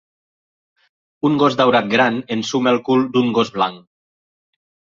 Un gos daurat gran ensuma el cul d'un gos blanc